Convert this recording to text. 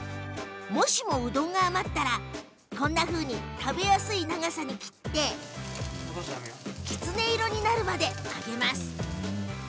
もしも、うどんが余ったら食べやすい長さに切ってきつね色になるまで揚げます。